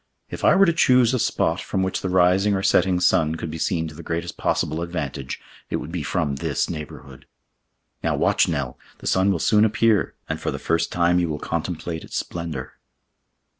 'If I were to choose a spot from which the rising or setting sun could be seen to the greatest possible advantage, it would be from this neighborhood.' Now watch, Nell! the sun will soon appear, and for the first time you will contemplate its splendor."